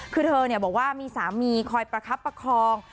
คือเธอบอกว่ามีสามีคอยประคับประคอง